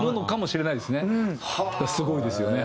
だからすごいですよね